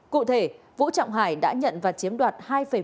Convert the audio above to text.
cụ thể vũ trọng hải đã nhận và chiếm đoạt hai bảy